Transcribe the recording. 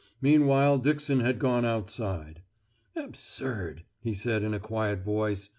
Meanwhile Dixon had gone outside. 'Absurd,' he said in a quiet voice.